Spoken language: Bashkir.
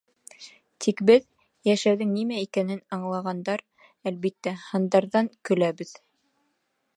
Тик беҙ, йәшәүҙең нимә икәнен аңлағандар, әлбиттә, һандарҙан көләбеҙ!